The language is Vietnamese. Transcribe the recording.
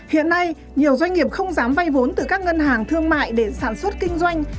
hiện nay nhiều doanh nghiệp không dám vay vốn từ các ngân hàng thương mại để sản xuất kinh doanh